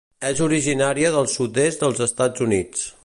És originària del sud-est dels Estats Units.